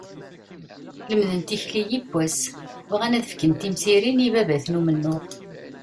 Lemden tikli yiwen wass, bɣan ad fken timsirin i ibabaten n umennuɣ.